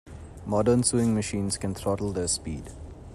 Modern sewing machines can throttle their speed.